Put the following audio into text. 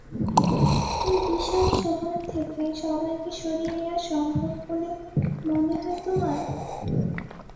এই বিশাল শহর থেকে সবাইকে সরিয়ে নেয়া সম্ভব বলে মনে হয় তোমার?